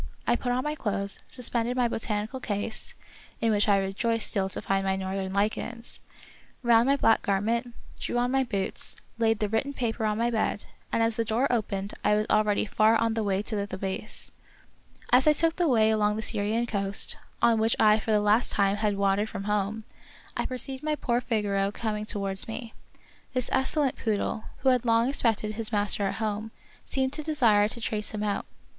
I put on my clothes, suspended my botanical case — in which I rejoiced still to find my northern lichens — round my black garment, drew on my boots, laid the written paper on my bed, and as the door opened I was already far on the way to the Thebais. As I took the way along the Syrian coast, on which I for the last time had wandered from home, I perceived my poor Figaro coming to wards me. This excellent poodle, who had long expected his master at home, seemed to desire to trace him out.